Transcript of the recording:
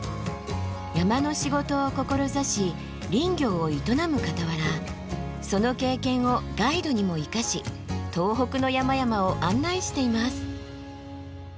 山の仕事を志し林業を営むかたわらその経験をガイドにも生かし東北の山々を案内しています。